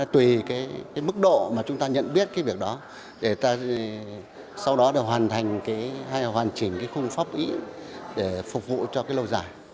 tùy mức độ mà chúng ta nhận biết việc đó để sau đó hoàn thành hoàn chỉnh khung pháp ý để phục vụ cho lâu dài